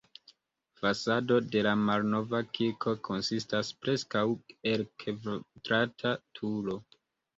Fasado de la malnova kirko konsistas preskaŭ el kvadrata turo.